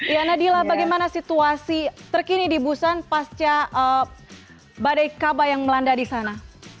ya nadila bagaimana situasi terkini di busan pasca badai kaba yang melanda di sana